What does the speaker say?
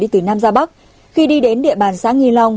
từ nam ra bắc khi đi đến địa bàn xã nghi long